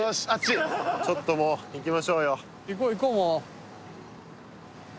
ちょっともう行きましょうよ